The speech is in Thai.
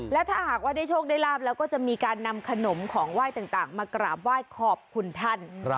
และถ้าหากว่าได้โชคได้ลาบแล้วก็จะมีการนำขนมของไหว้ต่างมากราบไหว้ขอบคุณท่าน